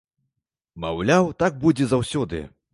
Маўляў, так будзе заўсёды.